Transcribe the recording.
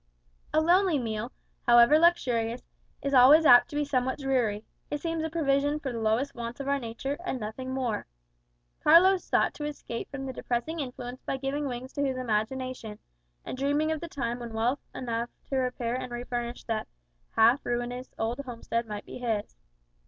A lonely meal, however luxurious, is always apt to be somewhat dreary; it seems a provision for the lowest wants of our nature, and nothing more. Carlos sought to escape from the depressing influence by giving wings to his imagination, and dreaming of the time when wealth enough to repair and refurnish that half ruinous old homestead might be his.